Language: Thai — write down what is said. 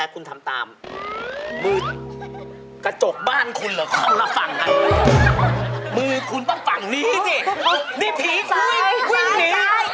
คุณบอกว่ามืออะไร